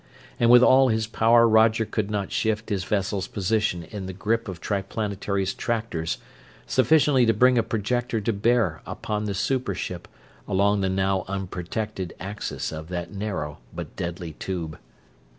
And with all his power Roger could not shift his vessel's position in the grip of Triplanetary's tractors sufficiently to bring a projector to bear upon the super ship along the now unprotected axis of that narrow, but deadly tube.